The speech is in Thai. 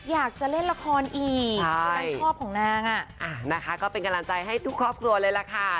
อยากจะเล่นละครอีกกำลังชอบของนางอ่ะนะคะก็เป็นกำลังใจให้ทุกครอบครัวเลยล่ะค่ะ